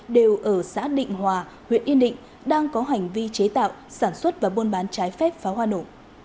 đều ở xã định hòa huyện yên định đang có hành vi chế tạo sản xuất và buôn bán trái phép pháo hoa nổ